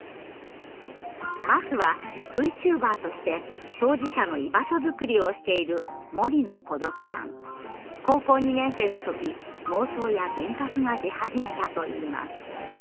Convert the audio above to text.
まずはＶＴｕｂｅｒとして当事者の居場所づくりをしている高校２年生の時妄想や幻覚が出始めたといいます。